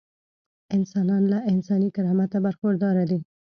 انسانان له انساني کرامته برخورداره دي.